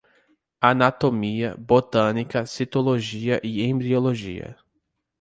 Anatomia, botânica, citologia e embriologia